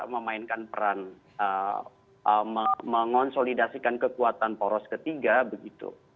memainkan peran mengonsolidasikan kekuatan poros ketiga begitu